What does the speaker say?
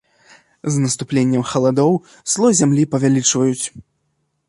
З наступленнем халадоў слой зямлі павялічваюць.